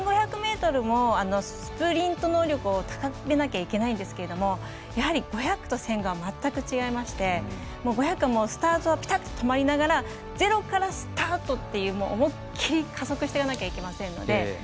１５００ｍもスプリント能力を高めなきゃいけないんですけどやはり５００と１０００が全く違いまして５００はスタートはピタッと止まりながらゼロからスタートという思い切り加速していかなきゃいけませんので。